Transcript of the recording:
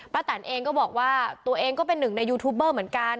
แตนเองก็บอกว่าตัวเองก็เป็นหนึ่งในยูทูปเบอร์เหมือนกัน